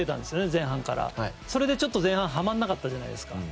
前半からね、それで前半ははまらなかったじゃないですか。